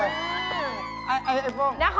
ไอ้โฟมนาคม